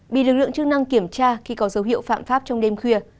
bị lực lượng chức năng kiểm tra khi có dấu hiệu phạm pháp trong đêm khuya